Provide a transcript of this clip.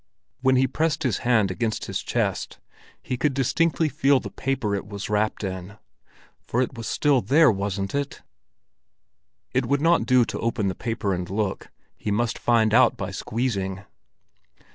When he pressed his hand against his chest, he could distinctly feel the paper it was wrapped in. For it was still there, wasn't it? It would not do to open the paper and look; he must find out by squeezing.